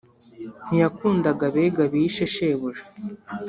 ntiyakundaga abega bishe shebuja